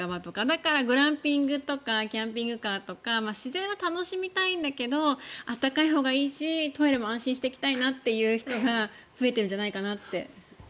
だからグランピングとかキャンピングカーとか自然は楽しみたいんだけど暖かいほうがいいしトイレも安心して行きたいなという人が増えてるんじゃないかなって。